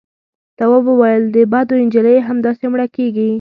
تواب وويل: د بدو نجلۍ همداسې مړه کېږي.